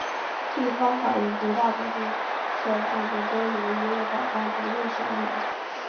地方法院绝大多数的案件都由一位法官独任审理。